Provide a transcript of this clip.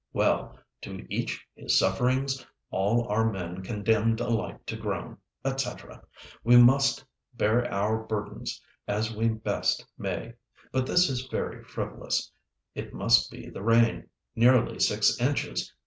Well, 'to each his sufferings, all are men condemned alike to groan,' &c. we must bear our burdens as we best may. But this is very frivolous. It must be the rain. Nearly six inches!